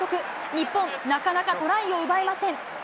日本、なかなかトライを奪えません。